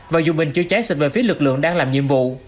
và dù mình chưa trái xịt về phía lực lượng đang làm nhiệm vụ